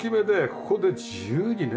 ここで自由にね。